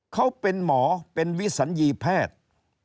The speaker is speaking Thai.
เขาเป็นหมอเป็นวิสัญญีแพทย์